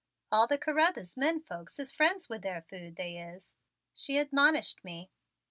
"All the Carruthers men folks is friends with their food, they is," she admonished me.